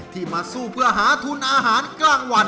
มาสู้เพื่อหาทุนอาหารกลางวัน